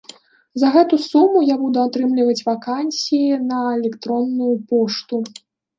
За гэту суму я буду атрымліваць вакансіі на электронную пошту.